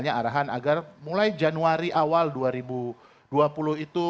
arahan agar mulai januari awal dua ribu dua puluh itu